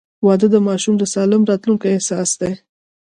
• واده د ماشومانو د سالم راتلونکي اساس دی.